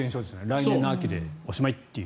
来年の秋でおしまいという。